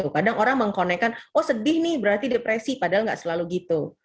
kadang orang mengkonekkan oh sedih nih berarti depresi padahal nggak selalu gitu